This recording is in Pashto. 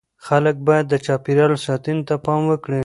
خلک باید د چاپیریال ساتنې ته پام وکړي.